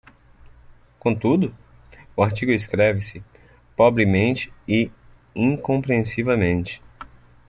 Contudo? o artigo escreve-se pobremente e incompreensivelmente.